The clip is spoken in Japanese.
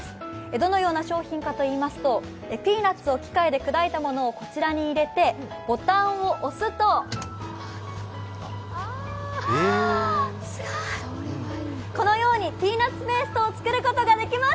どのような商品化といいますと、ピーナッツを機械で砕いたものをこちらに入れてボタンを押すと、このようにピーナッツペーストを作ることができます。